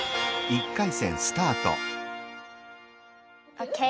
オッケー。